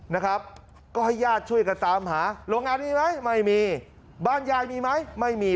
นะครับก็ให้ญาติช่วยกันตามหาโรงงานมีไหมไม่มีบ้านยายมีไหมไม่มี